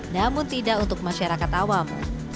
namun tidak untuk masyarakat awam